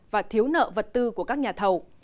và thiếu nợ vật tư của các nhà thầu